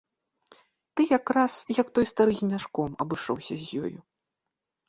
Ты якраз, як той стары з мяшком, абышоўся з ёю.